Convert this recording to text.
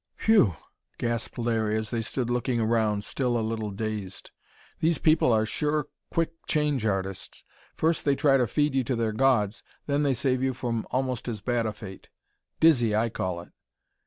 "Whew!" gasped Larry, as they stood looking around, still a little dazed. "These people are sure quick change artists! First they try to feed you to their gods, then they save you from almost as bad a fate. Dizzy, I call it!"